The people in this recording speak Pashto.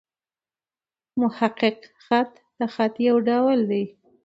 محقق خط؛ د خط یو ډول دﺉ.